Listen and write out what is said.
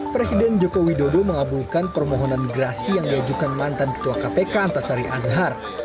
presiden joko widodo mengabulkan permohonan gerasi yang diajukan mantan ketua kpk antasari azhar